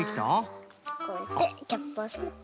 こうやってキャップをしめて。